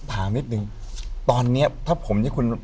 อยู่ที่แม่ศรีวิรัยิลครับ